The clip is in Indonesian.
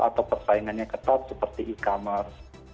atau persaingannya ketat seperti e commerce